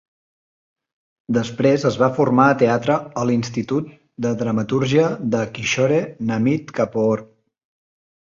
Després es va formar a teatre al institut de dramatúrgia de "Kishore Namit Kapoor".